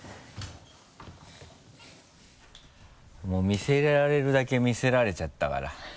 もう見せられるだけ見せられちゃったから。